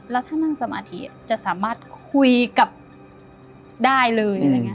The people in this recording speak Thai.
แล้วถ้านั่งสมาธิจะสามารถคุยกับได้เลย